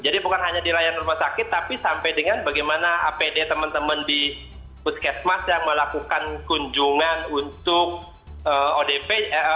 jadi bukan hanya di layanan rumah sakit tapi sampai dengan bagaimana apd teman teman di putkesmas yang melakukan kunjungan untuk odp